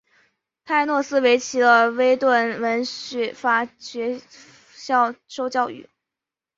他在诺斯威奇的威顿文法学校受教育。